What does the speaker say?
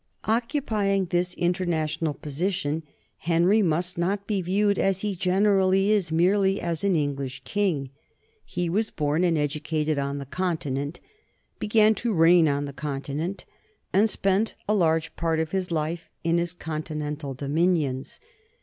Occupying this international position, Henry must not be viewed, as he generally is, merely as an English king. He was born and educated on the Continent, began to reign on the Continent, and spent a large part of his life in his continental dominions.